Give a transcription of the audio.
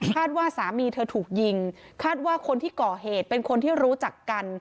ว่าสามีเธอถูกยิงคาดว่าคนที่ก่อเหตุเป็นคนที่รู้จักกัน